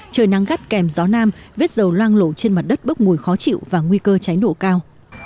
trời nắng gắt kèm gió nam vết dầu loang lộ trên mặt đất bốc mùi khó chịu và nguy cơ cháy nổ cao